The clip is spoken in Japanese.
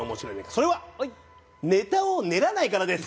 それはネタを練らないからです。